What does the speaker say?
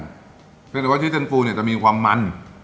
เพราะฉะนั้นว่าที่เซ็นฟูเนี่ยจะมีความมัน